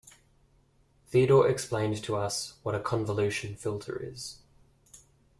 Theodore explained to us what a convolution filter is.